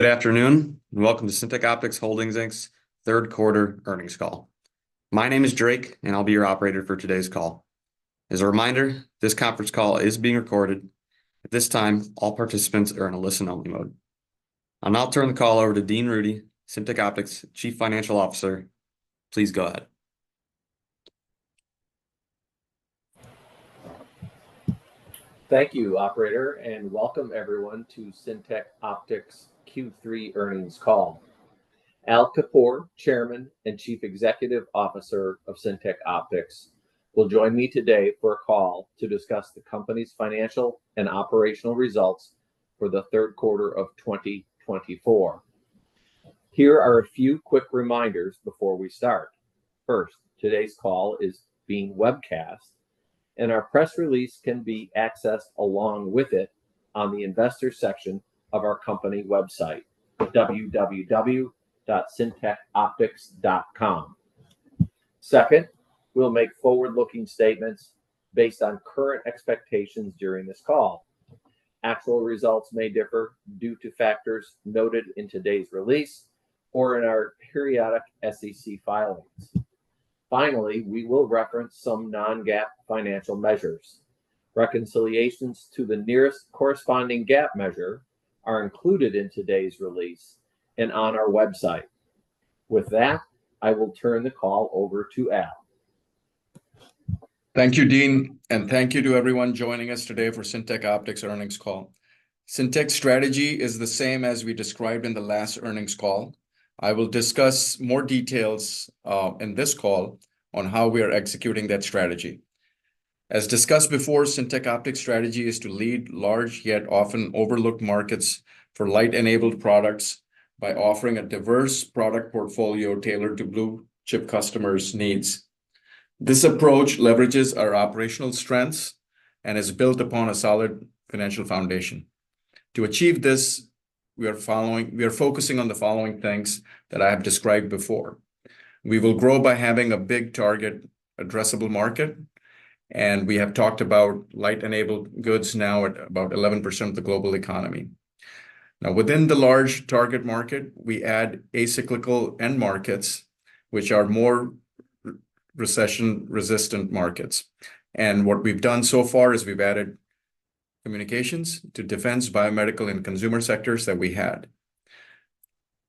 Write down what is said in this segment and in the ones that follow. Good afternoon, and welcome to Syntec Optics Holdings, Inc.'s Third Quarter Earnings Call. My name is Drake, and I'll be your operator for today's call. As a reminder, this conference call is being recorded. At this time, all participants are in a listen-only mode. I'll now turn the call over to Dean Rudy, Syntec Optics Chief Financial Officer. Please go ahead. Thank you, Operator, and welcome everyone to Syntec Optics' Q3 earnings call. Al Kapoor, Chairman and Chief Executive Officer of Syntec Optics, will join me today for a call to discuss the company's financial and operational results for the third quarter of 2024. Here are a few quick reminders before we start. First, today's call is being webcast, and our press release can be accessed along with it on the investor section of our company website, www.syntecoptics.com. Second, we'll make forward-looking statements based on current expectations during this call. Actual results may differ due to factors noted in today's release or in our periodic SEC filings. Finally, we will reference some non-GAAP financial measures. Reconciliations to the nearest corresponding GAAP measure are included in today's release and on our website. With that, I will turn the call over to Al. Thank you, Dean, and thank you to everyone joining us today for Syntec Optics' earnings call. Syntec's strategy is the same as we described in the last earnings call. I will discuss more details in this call on how we are executing that strategy. As discussed before, Syntec Optics' strategy is to lead large, yet often overlooked markets for light-enabled products by offering a diverse product portfolio tailored to blue-chip customers' needs. This approach leverages our operational strengths and is built upon a solid financial foundation. To achieve this, we are focusing on the following things that I have described before. We will grow by having a big target addressable market, and we have talked about light-enabled goods now at about 11% of the global economy. Now, within the large target market, we add acyclical end markets, which are more recession-resistant markets. What we've done so far is we've added communications to defense, biomedical, and consumer sectors that we had.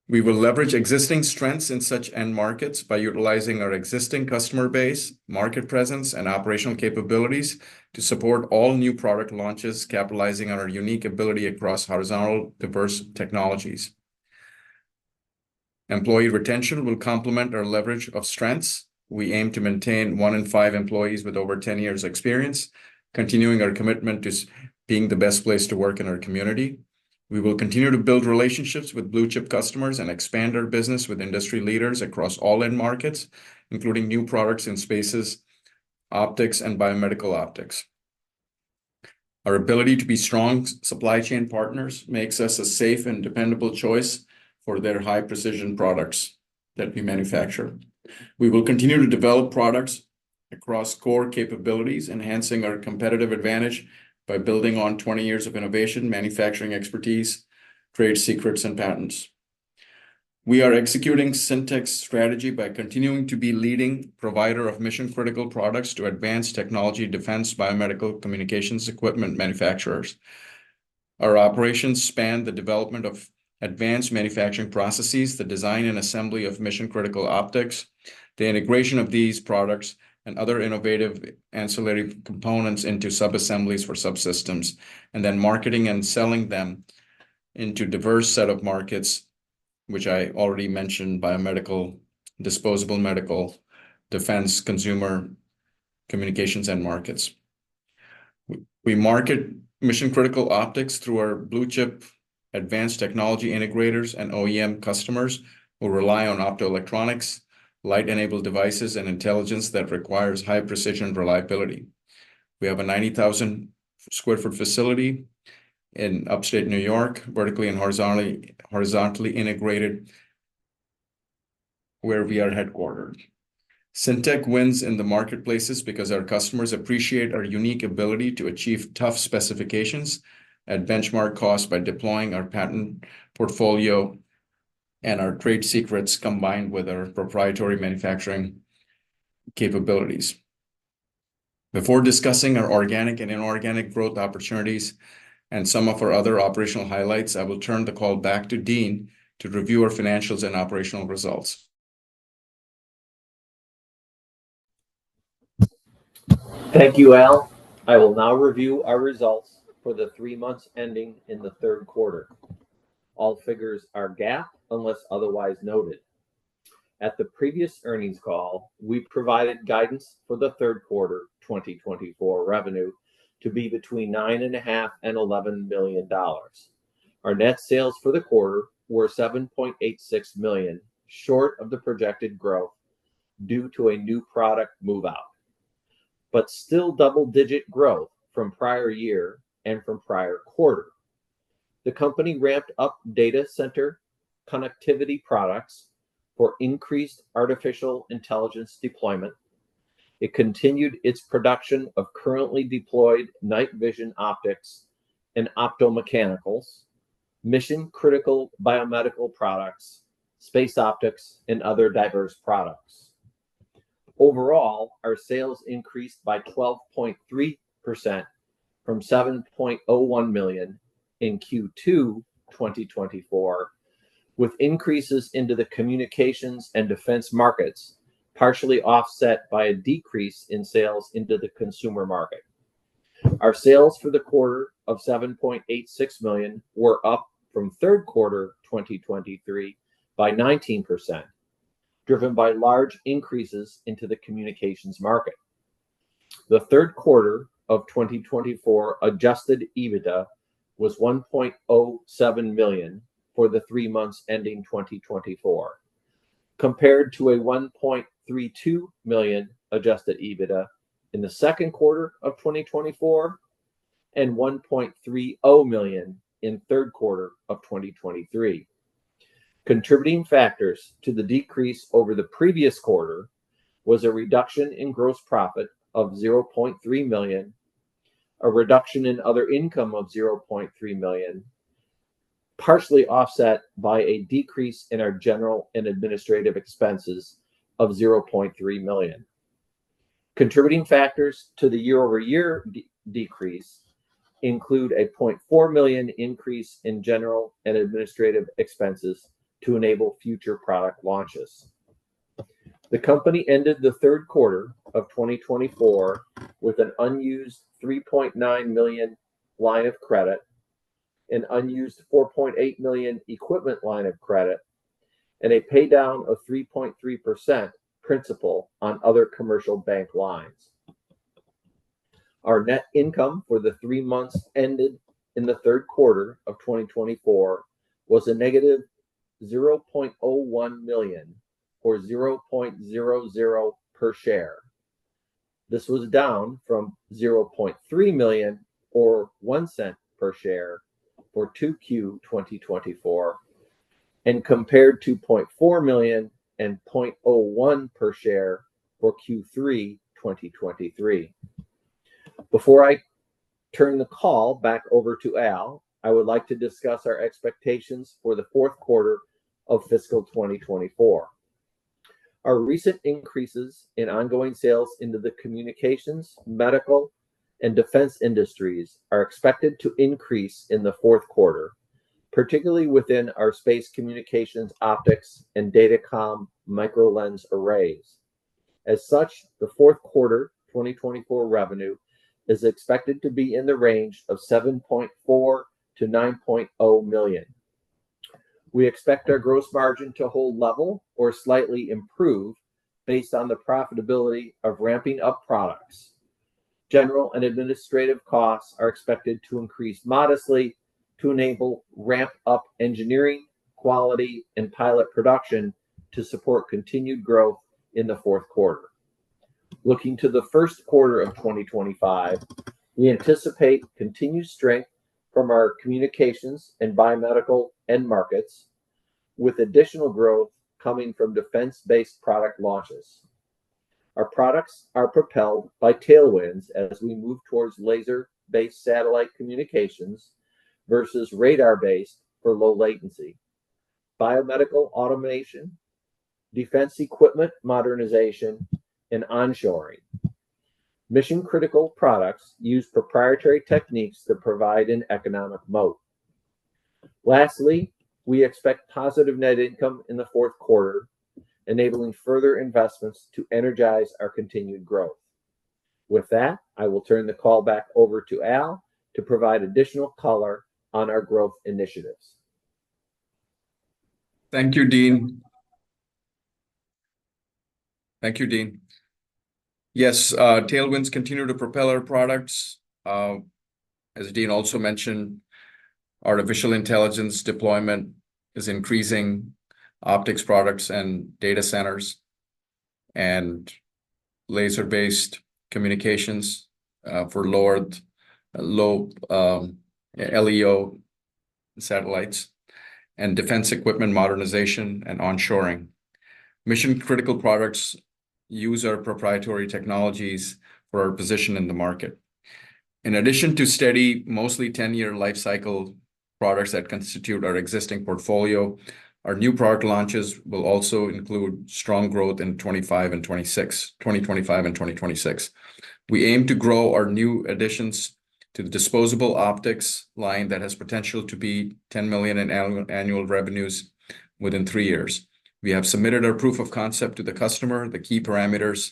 We will leverage existing strengths in such end markets by utilizing our existing customer base, market presence, and operational capabilities to support all new product launches, capitalizing on our unique ability across horizontal, diverse technologies. Employee retention will complement our leverage of strengths. We aim to maintain one in five employees with over 10 years' experience, continuing our commitment to being the best place to work in our community. We will continue to build relationships with blue-chip customers and expand our business with industry leaders across all end markets, including new products in space optics and biomedical optics. Our ability to be strong supply chain partners makes us a safe and dependable choice for their high-precision products that we manufacture. We will continue to develop products across core capabilities, enhancing our competitive advantage by building on 20 years of innovation, manufacturing expertise, trade secrets, and patents. We are executing Syntec's strategy by continuing to be a leading provider of mission-critical products to advanced technology defense, biomedical communications equipment manufacturers. Our operations span the development of advanced manufacturing processes, the design and assembly of mission-critical optics, the integration of these products and other innovative ancillary components into sub-assemblies for subsystems, and then marketing and selling them into a diverse set of markets, which I already mentioned: biomedical, disposable medical, defense, consumer communications, and markets. We market mission-critical optics through our blue-chip advanced technology integrators and OEM customers who rely on optoelectronics, light-enabled devices, and intelligence that requires high precision reliability. We have a 90,000 sq ft facility in Upstate New York, vertically and horizontally integrated, where we are headquartered. Syntec wins in the marketplaces because our customers appreciate our unique ability to achieve tough specifications at benchmark costs by deploying our patent portfolio and our trade secrets combined with our proprietary manufacturing capabilities. Before discussing our organic and inorganic growth opportunities and some of our other operational highlights, I will turn the call back to Dean to review our financials and operational results. Thank you, Al. I will now review our results for the three months ending in the third quarter. All figures are GAAP unless otherwise noted. At the previous earnings call, we provided guidance for the third quarter 2024 revenue to be between $9.5 and $11 million. Our net sales for the quarter were $7.86 million, short of the projected growth due to a new product move-out, but still double-digit growth from prior year and from prior quarter. The company ramped up data center connectivity products for increased artificial intelligence deployment. It continued its production of currently deployed night vision optics and optomechanical, mission-critical biomedical products, space optics, and other diverse products. Overall, our sales increased by 12.3% from $7.01 million in Q2 2024, with increases into the communications and defense markets partially offset by a decrease in sales into the consumer market. Our sales for the quarter of $7.86 million were up from third quarter 2023 by 19%, driven by large increases into the communications market. The third quarter of 2024 adjusted EBITDA was $1.07 million for the three months ending 2024, compared to a $1.32 million adjusted EBITDA in the second quarter of 2024 and $1.30 million in third quarter of 2023. Contributing factors to the decrease over the previous quarter were a reduction in gross profit of $0.3 million, a reduction in other income of $0.3 million, partially offset by a decrease in our general and administrative expenses of $0.3 million. Contributing factors to the year-over-year decrease include a $0.4 million increase in general and administrative expenses to enable future product launches. The company ended the third quarter of 2024 with an unused $3.9 million line of credit, an unused $4.8 million equipment line of credit, and a paydown of 3.3% principal on other commercial bank lines. Our net income for the three months ended in the third quarter of 2024 was a negative $0.01 million, or $0.00 per share. This was down from $0.3 million, or $0.01 per share, for Q2 2024 and compared to $0.4 million and $0.01 per share for Q3 2023. Before I turn the call back over to Al, I would like to discuss our expectations for the fourth quarter of fiscal 2024. Our recent increases in ongoing sales into the communications, medical, and defense industries are expected to increase in the fourth quarter, particularly within our space communications, optics, and datacom, microlens arrays. As such, the fourth quarter 2024 revenue is expected to be in the range of $7.4-$9.0 million. We expect our gross margin to hold level or slightly improve based on the profitability of ramping up products. General and administrative costs are expected to increase modestly to enable ramp-up engineering, quality, and pilot production to support continued growth in the fourth quarter. Looking to the first quarter of 2025, we anticipate continued strength from our communications and biomedical end markets, with additional growth coming from defense-based product launches. Our products are propelled by tailwinds as we move towards laser-based satellite communications versus radar-based for low latency, biomedical automation, defense equipment modernization, and onshoring. Mission-critical products use proprietary techniques to provide an economic moat. Lastly, we expect positive net income in the fourth quarter, enabling further investments to energize our continued growth. With that, I will turn the call back over to Al to provide additional color on our growth initiatives. Thank you, Dean. Yes, tailwinds continue to propel our products. As Dean also mentioned, artificial intelligence deployment is increasing optics products and data centers and laser-based communications for Low Earth LEO satellites and defense equipment modernization and onshoring. Mission-critical products use our proprietary technologies for our position in the market. In addition to steady, mostly 10-year life cycle products that constitute our existing portfolio, our new product launches will also include strong growth in 2025 and 2026. We aim to grow our new additions to the disposable optics line that has potential to be $10 million in annual revenues within three years. We have submitted our proof of concept to the customer, the key parameters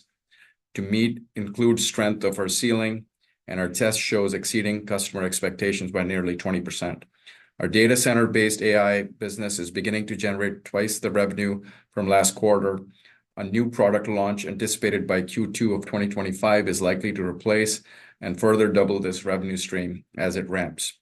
to meet include strength of our sealing, and our test shows exceeding customer expectations by nearly 20%. Our data center-based AI business is beginning to generate twice the revenue from last quarter. A new product launch anticipated by Q2 of 2025 is likely to replace and further double this revenue stream as it ramps.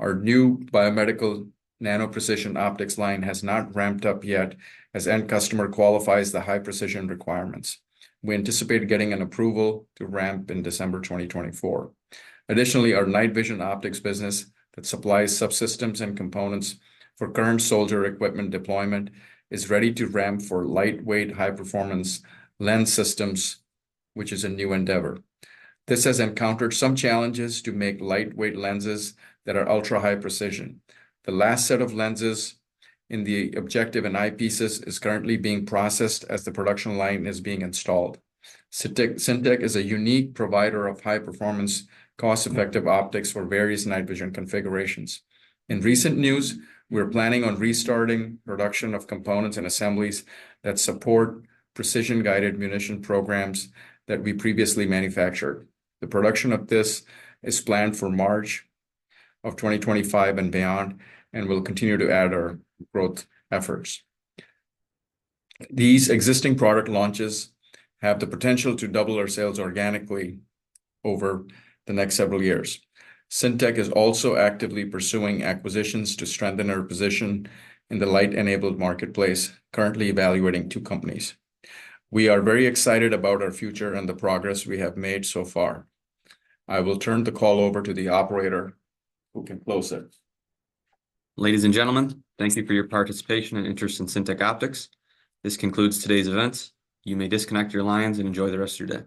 Our new biomedical nano-precision optics line has not ramped up yet as end customer qualifies the high precision requirements. We anticipate getting an approval to ramp in December 2024. Additionally, our night vision optics business that supplies subsystems and components for current soldier equipment deployment is ready to ramp for lightweight, high-performance lens systems, which is a new endeavor. This has encountered some challenges to make lightweight lenses that are ultra-high precision. The last set of lenses in the objective and eyepieces is currently being processed as the production line is being installed. Syntec is a unique provider of high-performance, cost-effective optics for various night vision configurations. In recent news, we're planning on restarting production of components and assemblies that support precision-guided munition programs that we previously manufactured. The production of this is planned for March of 2025 and beyond, and we'll continue to add our growth efforts. These existing product launches have the potential to double our sales organically over the next several years. Syntec is also actively pursuing acquisitions to strengthen our position in the light-enabled marketplace, currently evaluating two companies. We are very excited about our future and the progress we have made so far. I will turn the call over to the operator who can close it. Ladies and gentlemen, thank you for your participation and interest in Syntec Optics. This concludes today's events. You may disconnect your lines and enjoy the rest of your day.